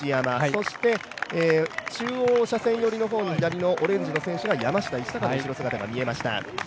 そして中央車線寄りの、左のオレンジの方が山下一貴の後ろ姿が見えました